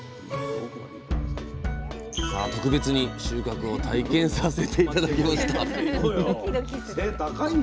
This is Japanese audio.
さあ特別に収穫を体験させて頂きました